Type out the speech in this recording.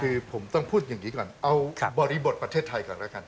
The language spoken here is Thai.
คือผมต้องพูดอย่างนี้ก่อนเอาบริบทประเทศไทยก่อนแล้วกัน